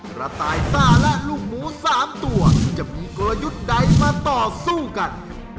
กระต่ายป้าและลูกหมู๓ตัวจะมีกลยุทธ์ใดมาต่อสู้กัน